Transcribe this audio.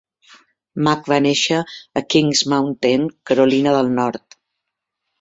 Mack va néixer a Kings Mountain (Carolina del Nord).